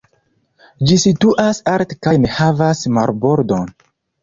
Ĝi situas alte kaj ne havas marbordon.